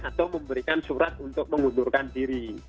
atau memberikan surat untuk mengundurkan diri